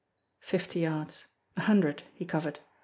Fifty yards, a hundred he covered.